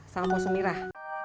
sama pak sumirah